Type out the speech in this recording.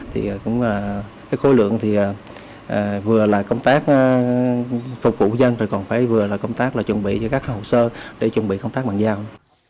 thì cũng là cái khối lượng thì vừa là công tác phục vụ dân rồi còn phải vừa là công tác là chuẩn bị cho các hồ sơ để chuẩn bị công tác bàn giao